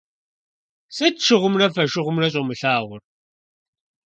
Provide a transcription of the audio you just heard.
Сыт шыгъумрэ фошыгъумрэ щӀумылъагъур?